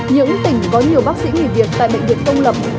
những tỉnh có nhiều bác sĩ nghỉ việc tại bệnh viện công lập